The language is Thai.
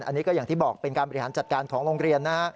อันนี้ก็อย่างที่บอกเป็นการบริหารจัดการของโรงเรียนนะฮะ